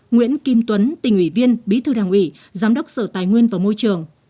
nguyễn kim tuấn tỉnh ủy viên bí thư đảng ủy giám đốc sở tài nguyên và môi trường